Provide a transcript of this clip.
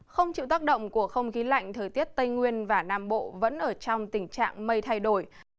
không chịu tác động của không khí lạnh thời tiết tây nguyên và nam bộ vẫn ở trong tình trạng mây thay đổi